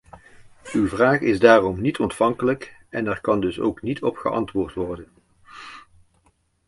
Uw vraag is daarom niet-ontvankelijk en er kan dus ook niet op geantwoord worden.